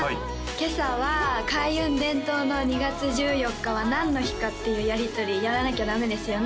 今朝は開運伝統の２月１４日は何の日か？っていうやりとりやらなきゃダメですよね